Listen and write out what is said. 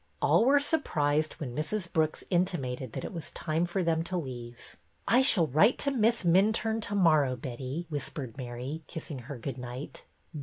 All were surprised when Mrs. Brooks intimated that it was time for them to leave. I shall write to Miss Minturne to morrow, Betty," whispered Mary, kissing her good night.